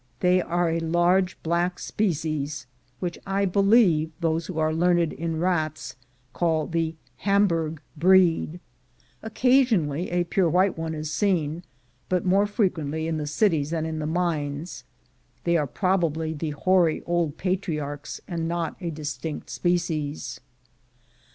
They are a large black species, which I believe those who are learned in rats call the Hamburg breed. Occasionally a pure white one is seen, but more fre quently in the cities than in the mines; they are prob ably the hoar}' old patriarchs, and not a distinct species.